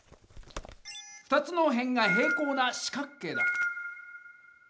２つの辺が平行な四角形だ。